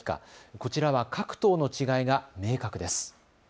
こちらは各党の違いが明確です。